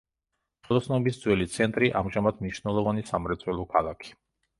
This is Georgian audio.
ხელოსნობის ძველი ცენტრი, ამჟამად მნიშვნელოვანი სამრეწველო ქალაქი.